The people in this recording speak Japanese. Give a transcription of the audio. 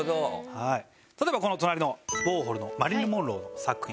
例えばこの隣のウォーホルのマリリン・モンローの作品。